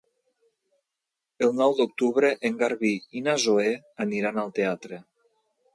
El nou d'octubre en Garbí i na Zoè aniran al teatre.